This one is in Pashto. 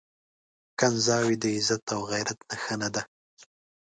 کنځاوي د عزت او غيرت نښه نه ده.